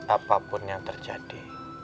apapun yang terjadi